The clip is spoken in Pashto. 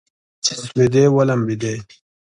چې سپېدې ولمبیدې